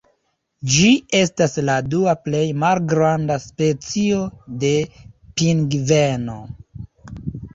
Ĝi estas la dua plej malgranda specio de pingveno.